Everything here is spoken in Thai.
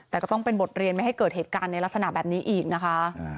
แต่ก็ต้องเป็นบทเรียนไม่ให้เกิดเหตุการณ์ในลักษณะแบบนี้อีกนะคะ